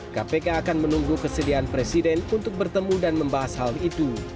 kpk akan menunggu kesediaan presiden untuk bertemu dan membahas hal itu